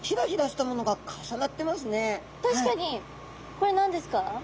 これ何ですか？